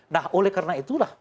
nah oleh karena itulah